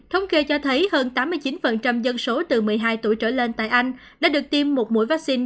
thống kê cho thấy hơn tám mươi chín dân số từ một mươi hai tuổi trở lên tại anh đã được tiêm một mũi vaccine